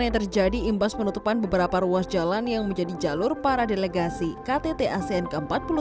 yang terjadi imbas penutupan beberapa ruas jalan yang menjadi jalur para delegasi ktt asean ke empat puluh dua